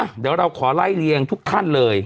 เดี๋ยวเราขอไล่เลี้ยงทุกท่านเลย